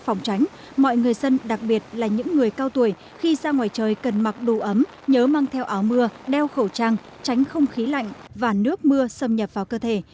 phòng tránh mọi người dân đặc biệt là những người cao tuổi khi ra ngoài trời cần mặc đủ ấm nhớ mang theo áo mưa đeo khẩu trang tránh không khí lạnh và nước mưa xâm nhập vào cơ thể